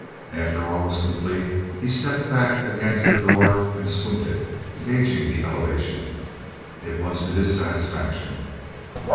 After all was complete, he stepped back against the door and squinted, gauging the elevation. It was to his satisfaction.